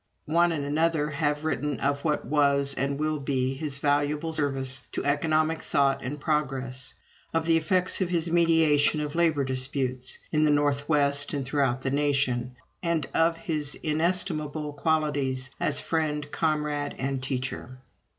One and another have written of what was and will be his valuable service to economic thought and progress; of the effects of his mediation of labor disputes, in the Northwest and throughout the nation; and of his inestimable qualities as friend, comrade, and teacher.